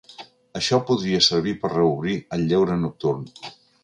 Això podria servir per reobrir el lleure nocturn.